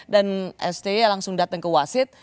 dan sti langsung datang ke wasit